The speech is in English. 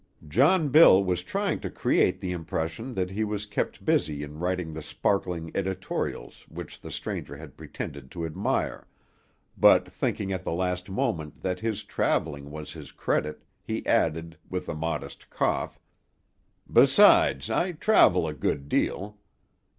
John Bill was trying to create the impression that he was kept busy in writing the sparkling editorials which the stranger had pretended to admire, but thinking at the last moment that his travelling was his credit, he added, with a modest cough: "Besides, I travel a good deal."